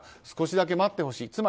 少しだけ待ってほしい。